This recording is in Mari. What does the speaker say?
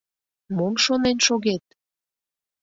— Мом шонен шогет?!